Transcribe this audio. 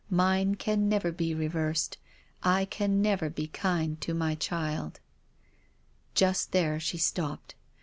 Mine can never be reversed. I can never be kind to my child —" Just there she stopped.